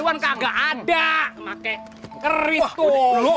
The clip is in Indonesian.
ini yang gue maksud